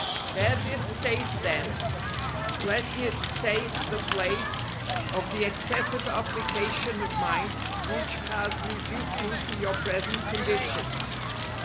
Bear this state then, letting it take the place of the excessive application of mind which has reduced you to your present condition.